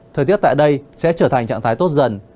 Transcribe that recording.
thời tiết tại đây sẽ trở thành trạng thái tốt dần